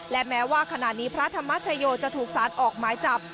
และแม้ว่าขณะนี้พระธรรมชโยจะถูกสารออกหมายจับ